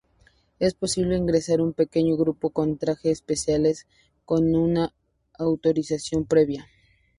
Es posible ingresar en pequeños grupos con trajes especiales con una autorización previa.